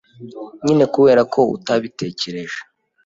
nyine kubera ko ubitekereje,